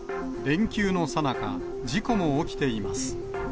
連休のさなか、事故も起きています。